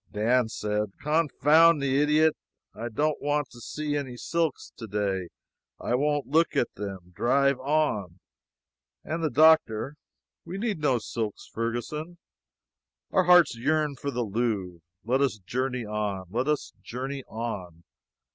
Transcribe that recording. Dan said, "Confound the idiot! I don't want to see any silks today, and I won't look at them. Drive on." And the doctor: "We need no silks now, Ferguson. Our hearts yearn for the Louvre. Let us journey on let us journey on."